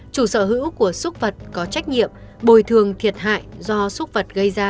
chủ sở hữu của xuất vật có trách nhiệm bồi thường thiệt hại do xuất vật gây ra